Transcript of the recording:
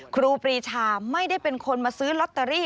ครูปรีชาไม่ได้เป็นคนมาซื้อลอตเตอรี่